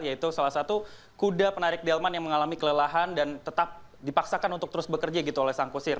yaitu salah satu kuda penarik delman yang mengalami kelelahan dan tetap dipaksakan untuk terus bekerja gitu oleh sang kusir